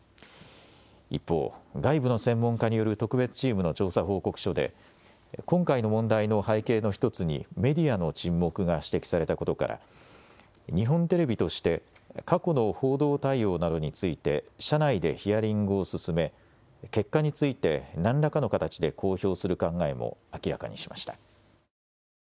一方、外部の専門家による特別チームの調査報告書で今回の問題の背景の１つにメディアの沈黙が指摘されたことから日本テレビとして過去の報道対応などについて社内でヒアリングを進め結果について何らかの形で公表する考えも明らかにしました。